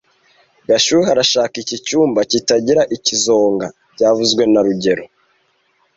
Gashuhe arashaka iki cyumba kitagira ikizonga byavuzwe na rugero